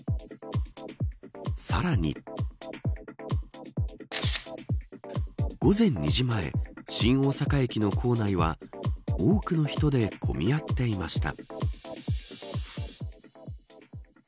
さらに午前２時前新大阪駅の構内は多くの人で混み合っていました。